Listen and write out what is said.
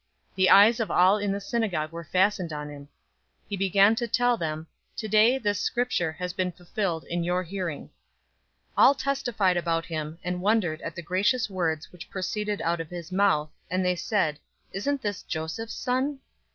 The eyes of all in the synagogue were fastened on him. 004:021 He began to tell them, "Today, this Scripture has been fulfilled in your hearing." 004:022 All testified about him, and wondered at the gracious words which proceeded out of his mouth, and they said, "Isn't this Joseph's son?"